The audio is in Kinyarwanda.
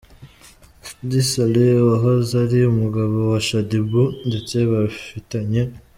Meddy Saleh wahoze ari umugabo wa Shaddyboo ndetse bafitanye